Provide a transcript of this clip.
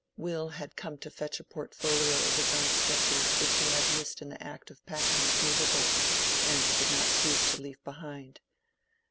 (Will had come to fetch a portfolio of his own sketches which he had missed in the act of packing his movables, and did not choose to leave behind.)